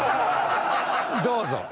どうぞ。